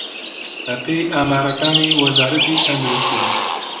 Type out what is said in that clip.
بەپێی ئامارەکانی وەزارەتی تەندروستی